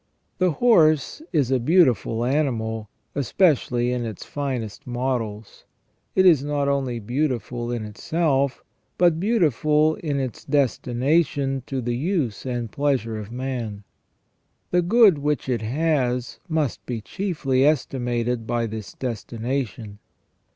The horse is a beautiful animal, especially in its finest models ; it is not only beautiful in itself, but beautiful in its destination to the use and pleasure of man. The good which it has must be chiefly estimated by this destination.